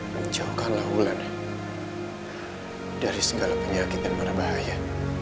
menjauhkanlah wulan dari segala penyakit dan marah bahaya